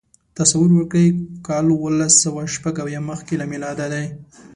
تصور وکړئ کال اوولسسوهشپږاویا مخکې له میلاده دی.